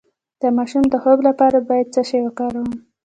د ماشوم د خوب لپاره باید څه شی وکاروم؟